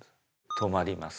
止まります。